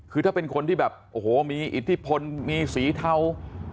คือถ้าเป็นคนที่แบบโอ้โหมีอิทธิพลมีสีเทา